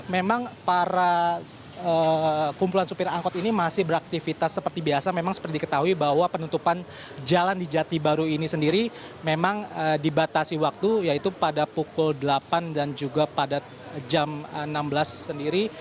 memang para kumpulan supir angkot ini masih beraktivitas seperti biasa memang seperti diketahui bahwa penutupan jalan di jati baru ini sendiri memang dibatasi waktu yaitu pada pukul delapan dan juga pada jam enam belas sendiri